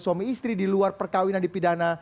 suami istri di luar perkawinan dipidana